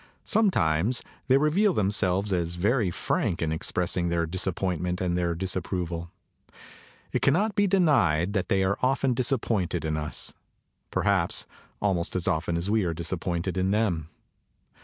Sometimes they reveal themselves as very frank in expressing their disappointment and their disapproval. It cannot be denied that they are often disappointed in us perhaps al most as often as we are disappointed in them.